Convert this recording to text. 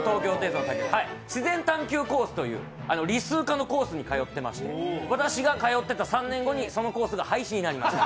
自然探究コースという理数科のコースに通っていまして私が通っていた３年後にそのコースが廃止になりました。